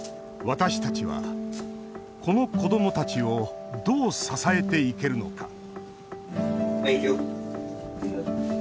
私たちは、この子どもたちをどう支えていけるのかはい、行くよ。